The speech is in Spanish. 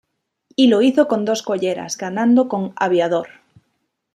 Y lo hizo con dos colleras, ganando con "Aviador".